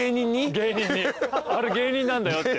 芸人に「あれ芸人なんだよ」って。